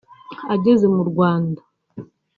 Ageze mu Rwanda